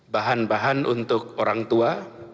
bahan bahan untuk orang tua